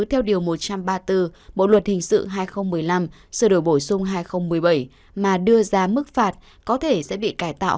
theo điều một trăm ba mươi bốn bộ luật hình sự hai nghìn một mươi năm sửa đổi bổ sung hai nghìn một mươi bảy mà đưa ra mức phạt có thể sẽ bị cải tạo